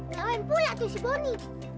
kawan pula tuh si bonny